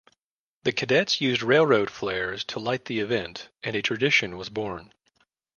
The cadets used railroad flares to light the event, and a tradition was born.